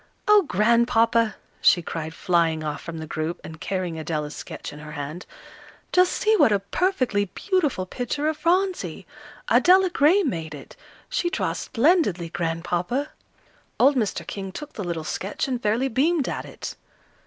"Oh, Grandpapa!" she cried, flying off from the group, and carrying Adela's sketch in her hand. "Just see what a perfectly beautiful picture of Phronsie! Adela Gray made it. She draws splendidly, Grandpapa." Old Mr. King took the little sketch and fairly beamed at it.